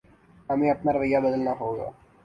ہمیں اپنا رویہ بدلنا ہوگا۔